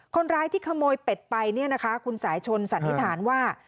คนร้ายที่ขโมยเป็ดไปเนี่ยนะคะคุณสายชนสันนิษฐานว่า